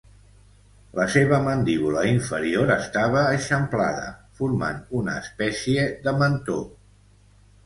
La seva mandíbula inferior estava eixamplada, formant una espècie de mentó.